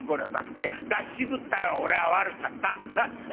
いや出し渋ったのは俺が悪かった。